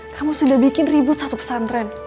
kamu sudah bikin ribut satu pesantren